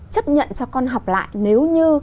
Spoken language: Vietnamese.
chấp nhận cho con học lại nếu như